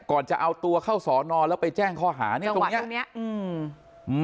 ก่อนจะเอาตัวเข้าสอนอนแล้วไปแจ้งข้อหาเนี้ยตรงเนี้ยตรงเนี้ยอืม